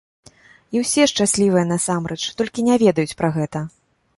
І ўсе шчаслівыя насамрэч, толькі не ведаюць пра гэта.